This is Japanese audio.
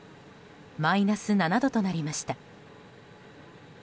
マイナス７度となりました。